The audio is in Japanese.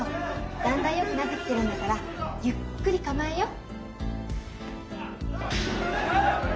だんだんよくなってきてるんだからゆっくり構えよう？